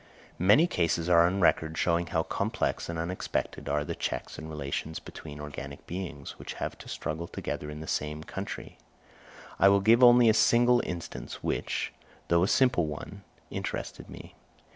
_ Many cases are on record showing how complex and unexpected are the checks and relations between organic beings, which have to struggle together in the same country. I will give only a single instance, which, though a simple one, interested me.